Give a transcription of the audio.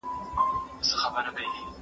روغتیایي اپلیکیشنونه څه کار کوي؟